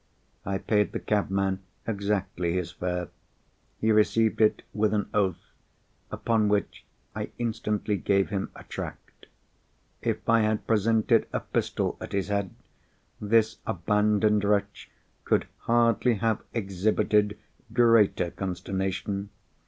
I paid the cabman exactly his fare. He received it with an oath; upon which I instantly gave him a tract. If I had presented a pistol at his head, this abandoned wretch could hardly have exhibited greater consternation.